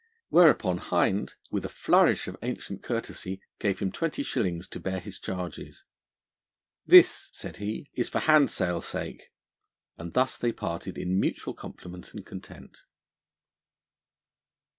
Whereupon Hind, with a flourish of ancient courtesy, gave him twenty shillings to bear his charges. 'This,' said he, 'is for handsale sake '; and thus they parted in mutual compliment and content.